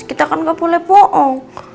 kita kan nggak boleh bohong